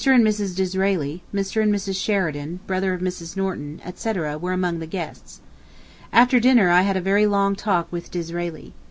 and Mrs. Disraeli, Mr. and Mrs. Sheridan (brother of Mrs. Norton), etc., were among the guests. After dinner I had a very long talk with Disraeli.